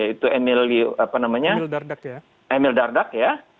itu emil dardak ya